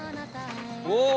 おお！